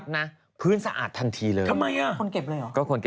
พี่จ๋าไปดูที่ดูไบกันสักหน่อยไหม